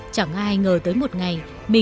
chẳng ai ngờ tới một ngày